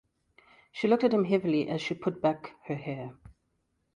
She looked at him heavily as she put back her hair.